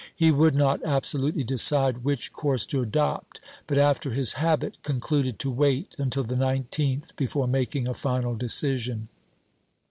He would not absolutely decide which course to adopt, but, after his habit, concluded to wait until the 19th before making a final decision.